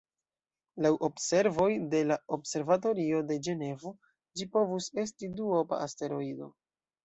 Laŭ observoj de la Observatorio de Ĝenevo, ĝi povus esti duopa asteroido.